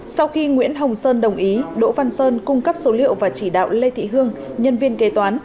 sau khi nguyễn hồng sơn đồng ý đỗ văn sơn cung cấp số liệu và chỉ đạo lê thị hương nhân viên kế toán